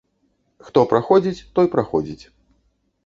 Хто праходзіць, той праходзіць.